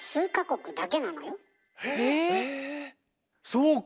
そうか！